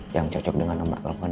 yang cocok dengan nomor telepon